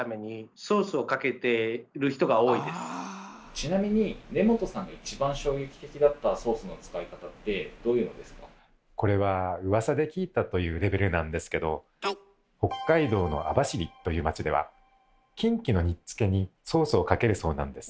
ちなみにこれはうわさで聞いたというレベルなんですけど北海道の網走という町ではキンキの煮つけにソースをかけるそうなんです。